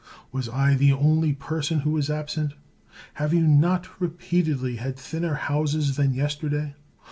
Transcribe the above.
Was I the only person who was absent? Have you not repeatedly had thinner houses than yesterday